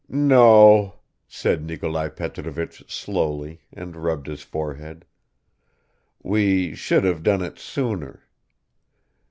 "No," said Nikolai Petrovich slowly, and rubbed his forehead. "We should have done it sooner